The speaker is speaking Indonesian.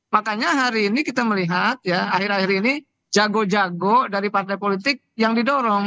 makanya hari ini kita melihat ya akhir akhir ini jago jago dari partai politik yang didorong